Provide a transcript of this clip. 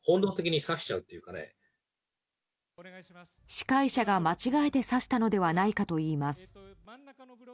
司会者が間違えて指したのではないかといいます。